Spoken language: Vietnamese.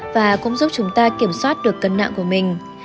và cũng giúp chúng ta kiểm soát được cân nặng của mình